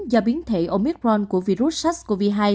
do biến thể omicron của virus sars cov hai